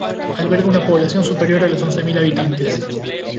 Alberga una población superior a los once mil habitantes.